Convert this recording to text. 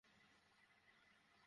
এরচেয়ে বিপদ আর কী?